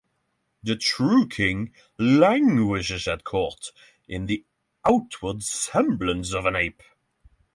The true king languishes at court in the outward semblance of an ape.